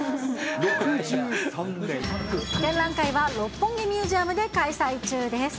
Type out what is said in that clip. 展覧会は六本木ミュージアムで開催中です。